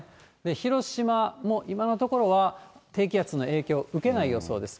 広島も今のところは、低気圧の影響受けない予想です。